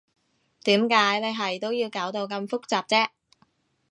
點解你係都要搞到咁複雜啫？